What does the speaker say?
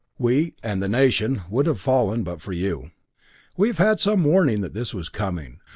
We and the nation would have fallen but for you. "We have had some warning that this was coming.